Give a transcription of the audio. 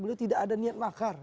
beliau tidak ada niat makar